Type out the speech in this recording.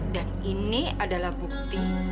dan ini adalah bukti